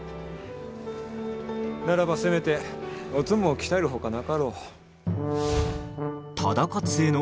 ならば、せめておつむを鍛えるほかなかろう。